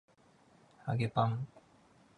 揚げパン